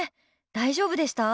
大丈夫でした？